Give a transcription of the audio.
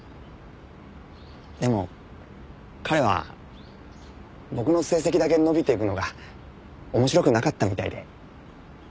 でも彼は僕の成績だけ伸びていくのが面白くなかったみたいで。